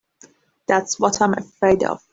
That's what I'm afraid of.